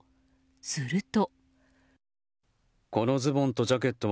すると。